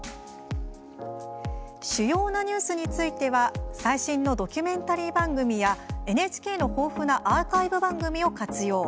主要なニュースについては最新のドキュメンタリー番組やＮＨＫの豊富なアーカイブ番組を活用。